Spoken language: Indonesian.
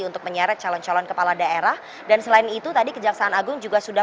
untuk menyeret calon calon kepala daerah dan selain itu tadi kejaksaan agung juga sudah